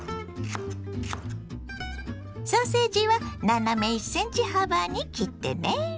ソーセージは斜め１ｃｍ幅に切ってね。